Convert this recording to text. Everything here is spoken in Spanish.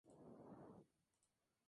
Osasuna en el mes de julio.